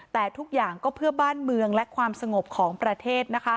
แต่ทุกอย่างก็เพื่อบ้านเมืองและความสงบของประเทศนะคะ